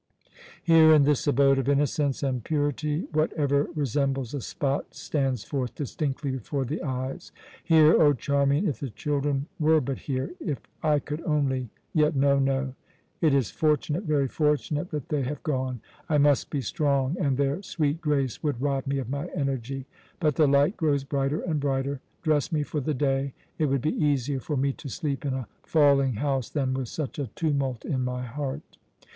Here, in this abode of innocence and purity, whatever resembles a spot stands forth distinctly before the eyes. Here, O Charmian! if the children were but here! If I could only yet, no, no! It is fortunate, very fortunate that they have gone. I must be strong; and their sweet grace would rob me of my energy. But the light grows brighter and brighter. Dress me for the day. It would be easier for me to sleep in a falling house than with such a tumult in my heart."